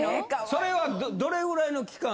それはどれぐらいの期間？